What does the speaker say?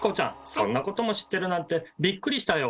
そんなことも知ってるなんてビックリしたよ。